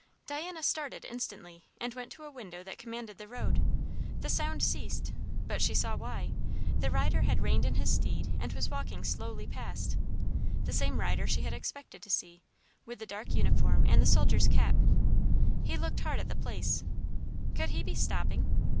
Diana started instantly and went to a window that commanded the road. The sound ceased, but she saw why; the rider had reined in his steed and was walking slowly past; the same rider she had expected to see, with the dark uniform and the soldier's cap. He looked hard at the place; could he be stopping?